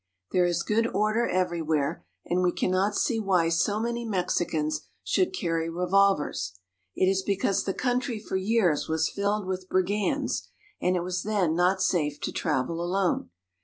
There is good order everywhere, and we cannot see why so many Mexicans should carry revolvers. It is because the country for years was filled with brigands, and it was then not safe to travel alone.